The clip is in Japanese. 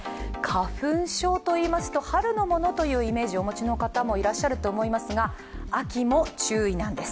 花粉症といいますと、春のものというイメージをお持ちの方もいらっしゃると思いますが、秋も注意なんです。